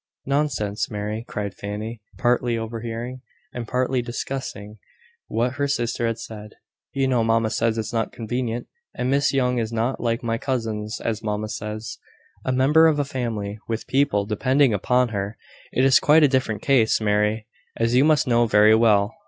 "Nonsense, Mary," cried Fanny, partly overhearing, and partly guessing what her sister had said; "you know mamma says it is not convenient: and Miss Young is not like my cousins, as mamma says, a member of a family, with people depending upon her. It is quite a different case, Mary, as you must know very well.